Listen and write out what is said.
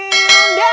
kau membawa kehancuran